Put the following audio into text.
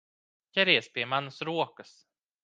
Ķeries pie manas rokas!